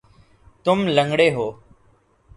تم لنگڑے ہو